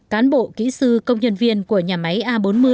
cán bộ kỹ sư công nhân viên của nhà máy a bốn mươi